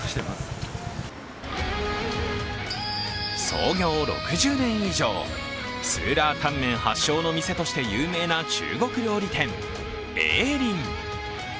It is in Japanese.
創業６０年以上、スーラータンメン発祥の店として有名な中国料理店、榮林。